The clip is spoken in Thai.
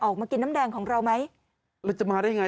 ออกมากินน้ำแดงของเราไหมแล้วจะมาได้ไง